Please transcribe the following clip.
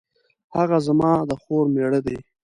هغه زما د خور میړه دی